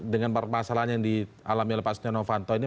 dengan permasalahan yang di alami oleh pak sunyono fanto ini